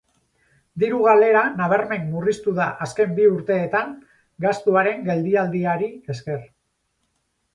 Diru-galera nabarmen murriztu da azken bi urteetan gastuaren geldialdiari esker.